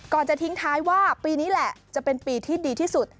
จะทิ้งท้ายว่าปีนี้แหละจะเป็นปีที่ดีที่สุด